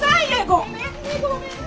ごめんねごめんね！